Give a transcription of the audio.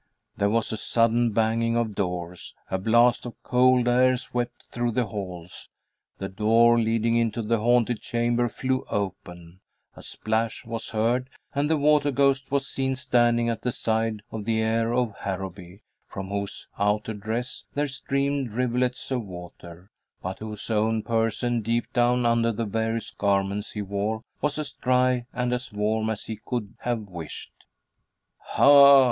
There was a sudden banging of doors, a blast of cold air swept through the halls, the door leading into the haunted chamber flew open, a splash was heard, and the water ghost was seen standing at the side of the heir of Harrowby, from whose outer dress there streamed rivulets of water, but whose own person deep down under the various garments he wore was as dry and as warm as he could have wished. "Ha!"